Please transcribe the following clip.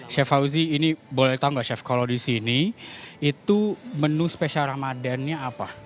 chef hauzy ini boleh tahu nggak chef kalau di sini itu menu spesial ramadan nya apa